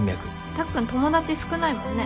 たっくん友達少ないもんね。